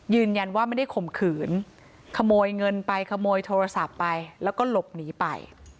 ยืนยันว่าไม่ได้ข่มขืนขโมยเงินไปขโมยโทรศัพท์ไปแล้วก็หลบหนีไป